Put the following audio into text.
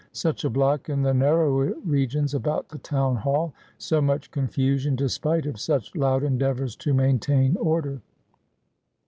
such a block in the narrower regions about the Town Hall ! so much confusion, despite of such loud endeavours to maintain order